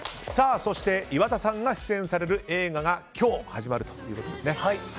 そして岩田さんが出演される映画が今日始まるということです。